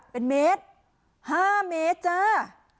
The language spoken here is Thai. เป็นเมตร๕เมตรจ้า